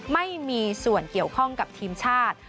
ไม่มีส่วนเกี่ยวข้องกับทีมชาติ